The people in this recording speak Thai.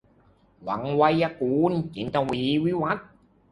วังไวกูณฑ์ - จินตวีร์ วิวัธน์